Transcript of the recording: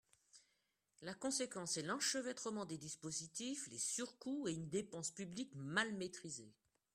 La conséquence est l’enchevêtrement des dispositifs, les surcoûts et une dépense publique mal maîtrisée.